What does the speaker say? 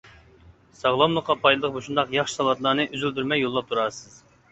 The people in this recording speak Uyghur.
ساغلاملىققا پايدىلىق مۇشۇنداق ياخشى ساۋاتلارنى ئۈزۈلدۈرمەي يوللاپ تۇرارسىز.